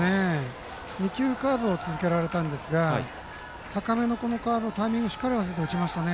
２球カーブを続けられたんですが高めのカーブ、タイミングしっかりと合わせて打ちましたね。